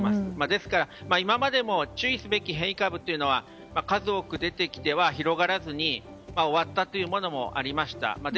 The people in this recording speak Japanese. ですから、今までも注意すべき変異株は数多く出てきては、広がらずに終わったというものもありました。